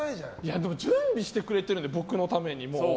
でも、もう準備してくれてるんで僕のために。